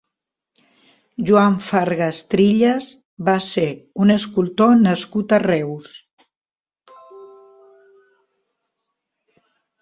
Joan Fargas Trillas va ser un escultor nascut a Reus.